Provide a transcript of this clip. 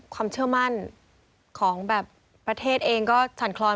ความเชื่อมั่นของประเทศเองก็ถันคลอยเหมือนกัน